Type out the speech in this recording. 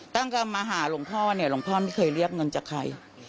ตั้งแต่มาหาหลวงพ่อเนี่ยหลวงพ่อไม่เคยเรียกเงินจากใคร